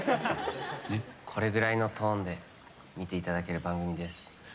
これぐらいのトーンで見ていただける番組です。